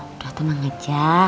udah tenang aja